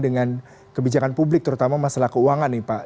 dengan kebijakan publik terutama masalah keuangan nih pak